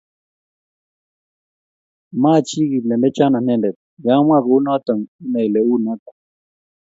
ma chi kiplembekian anende ya amwaa kou noto inai ile uu noto